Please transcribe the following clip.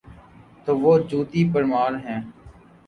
تو وہ جوتی پرمار ہیں۔